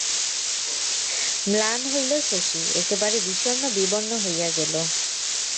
ম্লান হইল শশী, একেবারে বিষণ্ণ বিবর্ণ হইয়া গেল।